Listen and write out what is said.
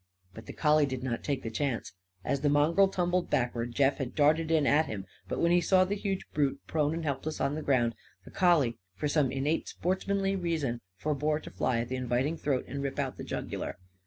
But the collie did not take the chance. As the mongrel tumbled backward, Jeff had darted in at him. But, when he saw the huge brute prone and helpless on the ground, the collie for some innate sportsmanly reason forbore to fly at the inviting throat and rip out the jugular.